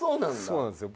そうなんですよ。